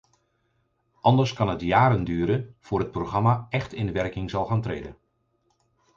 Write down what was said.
Anders kan het jaren duren voor het programma echt in werking zal gaan treden.